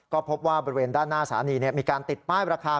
ก็พบว่าบริเวณด้านหน้าสถานีมีการติดป้ายราคา